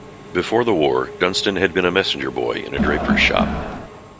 Before the war, Dunstan had been a messenger boy in a draper's shop.